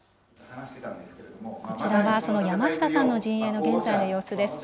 こちらはその山下さんの陣営の現在の様子です。